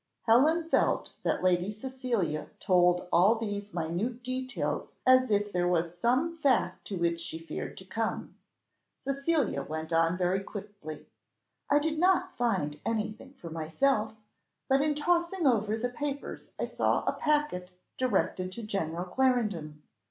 Helen felt that Lady Cecilia told all these minute details as if there was some fact to which she feared to come. Cecilia went on very quickly. "I did not find anything for myself; but in tossing over the papers I saw a packet directed to General Clarendon.